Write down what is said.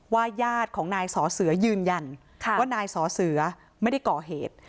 ญาติของนายสอเสือยืนยันว่านายสอเสือไม่ได้ก่อเหตุ